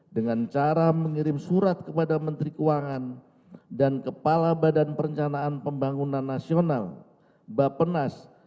dengan cara mengirim surat kepada menteri keuangan dan kepala badan perencanaan pembangunan nasional bapenas